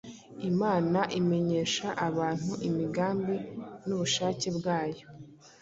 Imana imenyesha abantu imigambi n’ubushake byayo.